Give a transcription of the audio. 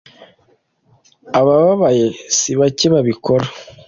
abababaye si bake babikora